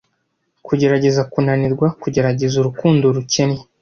kugerageza kunanirwa kugerageza urukundo rukennye